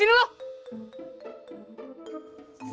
sini lu mau gak